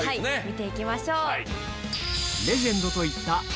見ていきましょう。